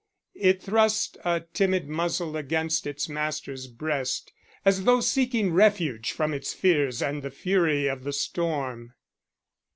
It thrust a timid muzzle against its master's breast, as though seeking refuge from its fears and the fury of the storm.